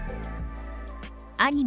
アニメ